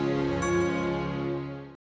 mendingin sekarang kita duduk dulu ya